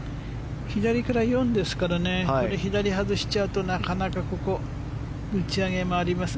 左から４ですからここ、左に外しちゃうとなかなか打ち上げもあります。